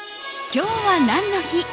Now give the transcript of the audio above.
今日は何の日？